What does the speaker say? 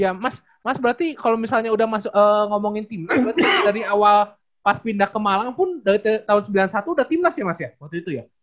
ya mas mas berarti kalau misalnya udah ngomongin timnas berarti dari awal pas pindah ke malang pun dari tahun sembilan puluh satu udah timnas ya mas ya waktu itu ya